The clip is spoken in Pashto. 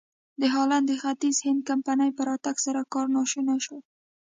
د هالنډ د ختیځ هند کمپنۍ په راتګ سره کار ناشونی شو.